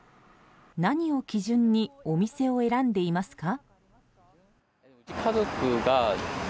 何を基準にお店を選んでいますか？